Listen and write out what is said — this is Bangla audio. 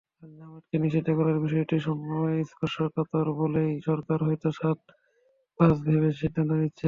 জামায়াতকে নিষিদ্ধ করার বিষয়টি স্পর্শকাতর বলেই সরকার হয়তো সাতপাঁচ ভেবে সিদ্ধান্ত নিচ্ছে।